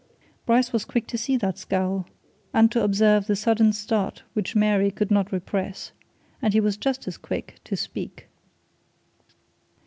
Bryce was quick to see that scowl and to observe the sudden start which Mary could not repress and he was just as quick to speak.